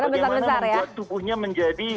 bagaimana membuat tubuhnya menjadi